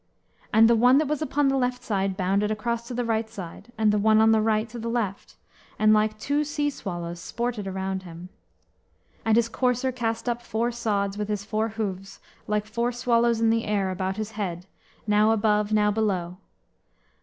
And the one that was upon the left side bounded across to the right side, and the one on the right to the left, and, like two sea swallows, sported around him. And his courser cast up four sods, with his four hoofs, like four swallows in the air, about his head, now above, now below.